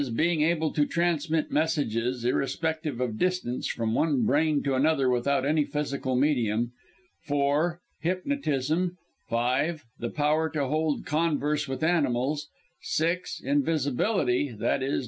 _ being able to transmit messages, irrespective of distance, from one brain to another without any physical medium; (4) hypnotism; (5) the power to hold converse with animals; (6) invisibility, _i.e.